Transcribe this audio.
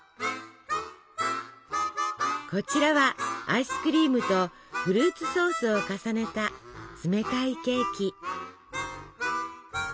こちらはアイスクリームとフルーツソースを重ねた冷たいケーキ。